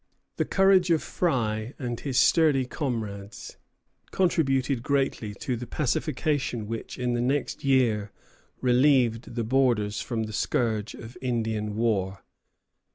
The courage of Frye and his sturdy comrades contributed greatly to the pacification which in the next year relieved the borders from the scourge of Indian war.